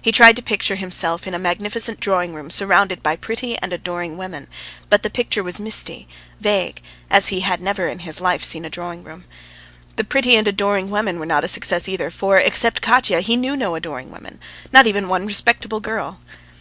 He tried to picture himself in a magnificent drawing room surrounded by pretty and adoring women; but the picture was misty, vague, as he had never in his life seen a drawing room. The pretty and adoring women were not a success either, for, except Katya, he knew no adoring woman, not even one respectable girl.